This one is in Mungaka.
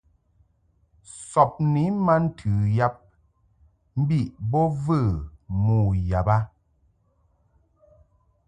Sɔbni ma ntɨ yab mbiʼ bo və mo yab a.